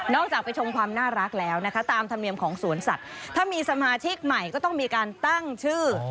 น่าจะไปชมความน่ารักแล้วตามธรรมเนิมของสวนสัตว์ทำไมจะไม่ถึงสมมติก็ต้องมีการตั้งชื่อ